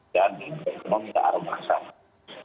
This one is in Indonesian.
dan ekonomi tidak ada masalah